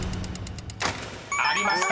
［ありました。